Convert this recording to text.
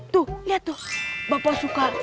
tuh lihat tuh bapak suka